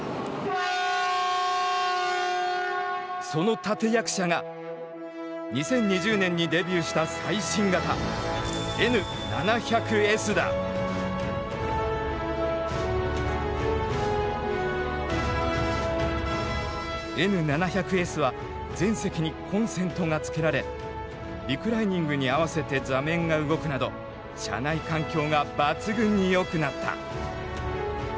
その立て役者が２０２０年にデビューした最新型Ｎ７００Ｓは全席にコンセントがつけられリクライニングに合わせて座面が動くなど車内環境が抜群によくなった。